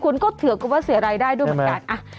คุณก็ถือกับว่าเสียรายได้ด้วยเหมือนกัน